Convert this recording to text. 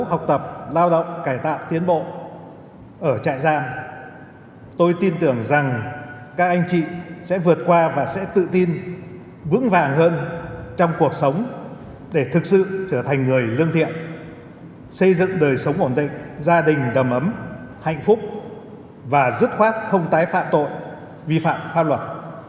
học tập lao động cải tạo tiến bộ ở trại giam tôi tin tưởng rằng các anh chị sẽ vượt qua và sẽ tự tin vững vàng hơn trong cuộc sống để thực sự trở thành người lương thiện xây dựng đời sống ổn định gia đình đầm ấm hạnh phúc và dứt khoát không tái phạm tội vi phạm pháp luật